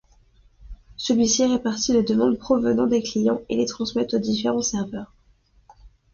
Celui-ci répartit les demandes provenant des clients et les transmet aux différents serveurs.